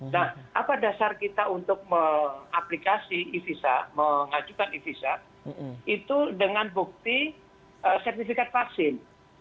nah apa dasar kita untuk mengajukan e visa itu dengan bukti sertifikat vaksin